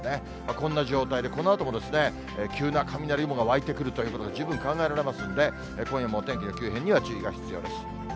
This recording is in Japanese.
こんな状態で、このあとも急な雷雲が湧いてくるということが十分考えられますんで、今夜のお天気の急変には注意が必要です。